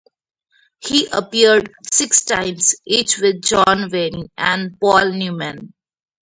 He appeared six times each with John Wayne and Paul Newman.